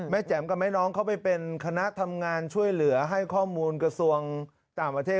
แจ๋มกับแม่น้องเขาไปเป็นคณะทำงานช่วยเหลือให้ข้อมูลกระทรวงต่างประเทศ